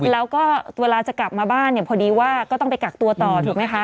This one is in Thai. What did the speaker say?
แล้วก็เวลาจะกลับมาบ้านเนี่ยพอดีว่าก็ต้องไปกักตัวต่อถูกไหมคะ